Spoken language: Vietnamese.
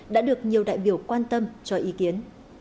đã được nhiều đại biểu quan tâm cho ý kiến